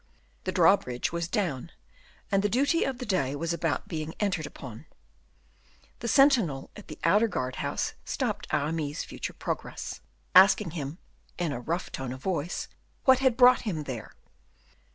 The drawbridge was down, and the duty of the day was about being entered upon. The sentinel at the outer guardhouse stopped Aramis's further progress, asking him, in a rough tone of voice, what had brought him there.